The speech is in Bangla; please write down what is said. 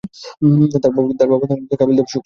তাঁর বাবার নাম কপিল দেব শুক্লা।